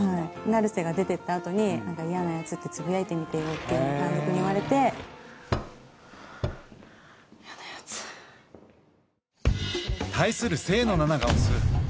成瀬が出てったあとに何か「嫌なやつ」ってつぶやいてみてよっていうふうに監督に言われて嫌なやつ対する